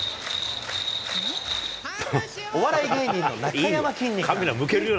お笑い芸人のなかやまきんに君。